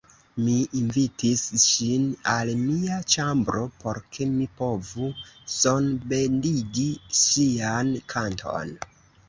Mi invitis ŝin al mia ĉambro, por ke mi povu sonbendigi ŝian kanton.